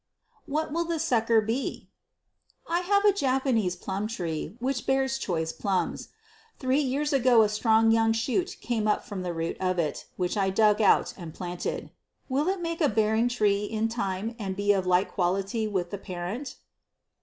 What Will the Sucker Be? I have a Japanese plum tree which bears choice plums. Three years ago a strong young shoot came up from the root of it, which I dug out and planted. Will it make a bearing tree in time and be of like quality with the parent?